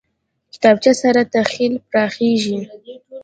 کتابچه سره تخیل پراخېږي